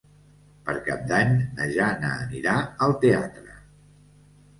Per Cap d'Any na Jana anirà al teatre.